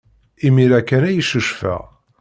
Imir-a kan ay ccucfeɣ.